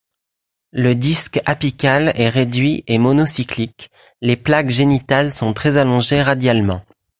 Le disque apical est réduit et monocyclique, les plaques génitales sont très allongées radialement.